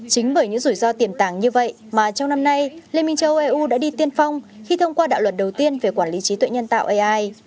chính bởi những rủi ro tiềm tàng như vậy mà trong năm nay liên minh châu âu đã đi tiên phong khi thông qua đạo luật đầu tiên về quản lý trí tuệ nhân tạo ai